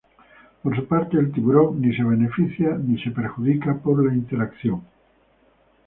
Por su parte, el tiburón ni se beneficia ni es perjudicado por la interacción.